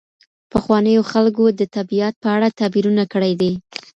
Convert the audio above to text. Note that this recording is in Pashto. پخوانیو خلګو د طبیعت په اړه تعبیرونه کړي دي.